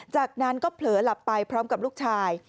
จากนั้นก็เผลอหลับไปพร้อมกับลูกชาย